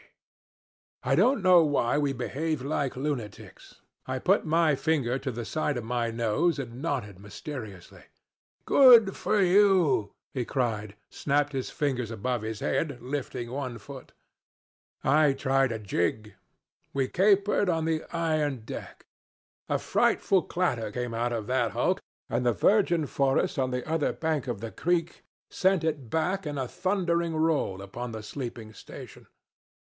I don't know why we behaved like lunatics. I put my finger to the side of my nose and nodded mysteriously. 'Good for you!' he cried, snapped his fingers above his head, lifting one foot. I tried a jig. We capered on the iron deck. A frightful clatter came out of that hulk, and the virgin forest on the other bank of the creek sent it back in a thundering roll upon the sleeping station.